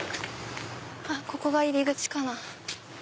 ここが入り口かな。